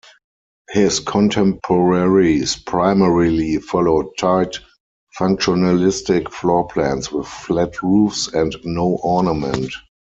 His contemporaries primarily followed tight functionalistic floorplans with flat roofs and no ornament.